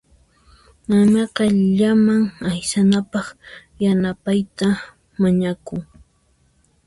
Mamayqa llaman aysanapaq yanapayta mañakun.